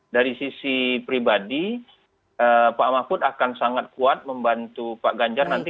dari sisi pribadi pak mahfud akan sangat kuat membantu pak ganjar nanti